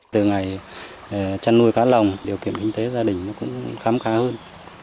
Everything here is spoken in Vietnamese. từ ngày chăn nuôi cá lòng điều kiện kinh tế gia đình cũng khám khá hơn